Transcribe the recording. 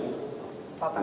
pak ada dua pertanyaan